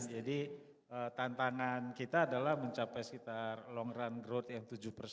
jadi tantangan kita adalah mencapai sekitar long run growth yang tujuh